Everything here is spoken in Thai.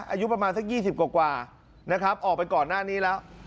อายุประมาณสัก๒๐กว่านะครับออกไปก่อนหน้านี้แล้ว